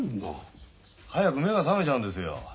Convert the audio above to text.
早く目が覚めちゃうんですよ。